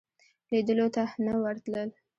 لیدلو ته نه ورتلل.